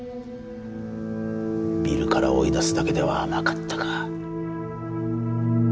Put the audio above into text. ビルから追い出すだけでは甘かったか。